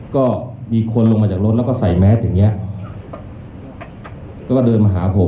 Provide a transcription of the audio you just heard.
ก็มีคนลงมาจากรถแล้วก็ใส่แมสอย่างเงี้ยแล้วก็เดินมาหาผม